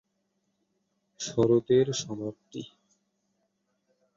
শরতের সমাপ্তি।